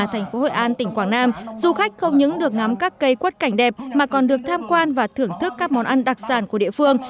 thành phố hội an tỉnh quảng nam du khách không những được ngắm các cây quất cảnh đẹp mà còn được tham quan và thưởng thức các món ăn đặc sản của địa phương